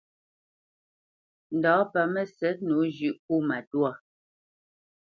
Ndǎ pâ Mə́sɛ̌t nǒ zhʉ̌ʼ kó matwâ.